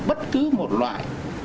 bất cứ một loại